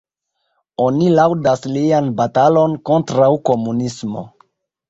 Oni laŭdas lian batalon kontraŭ komunismo.